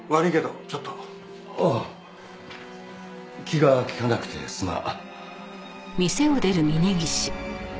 ああ気が利かなくてすまん。